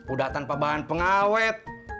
udah tanpa bahan pengawet